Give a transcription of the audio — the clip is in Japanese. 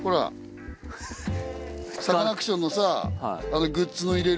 サカナクションのグッズを入れる。